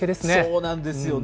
そうなんですよね。